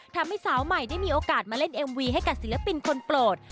ทำให้สาวใหม่ได้มีโอกาสมาเล่นเอ็มวีให้กับศิลปินคนโปรด